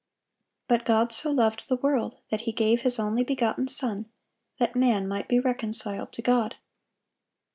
(788) But "God so loved the world, that He gave His only begotten Son," that man might be reconciled to God.